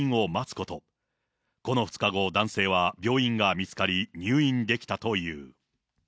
この２日後、男性は病院が見つかり、入院できたという。